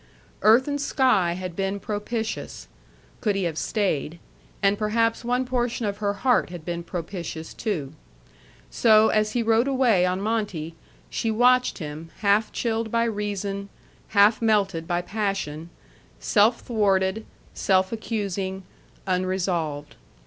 Earth and sky had been propitious, could he have stayed; and perhaps one portion of her heart had been propitious too. So, as he rode away on Monte, she watched him, half chilled by reason, half melted by passion, self thwarted, self accusing, unresolved.